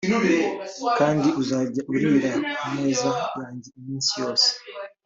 kandi uzajya urira ku meza yanjye iminsi yose